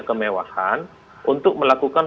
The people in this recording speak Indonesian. kemewahan untuk melakukan